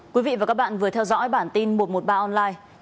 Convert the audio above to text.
quý vị và các bạn vừa theo dõi bản tin một trăm một mươi ba online